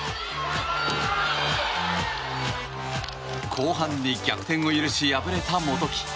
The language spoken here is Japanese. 後半に逆転を許し、敗れた元木。